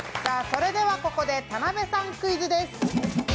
それではここで田辺さんクイズです。